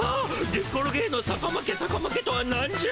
げっころげのさかまけさかまけとはなんじゃ？